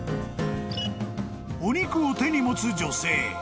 ［お肉を手に持つ女性］